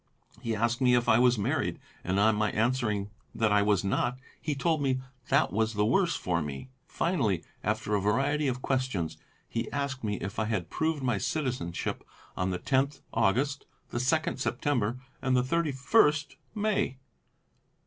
He asked me if I was married, and on my answering that I was not, he told me that was the worse for me. Finally, after a variety of questions, he asked me if I had proved my citizenship on the 10th August, the 2nd September and the 31st May.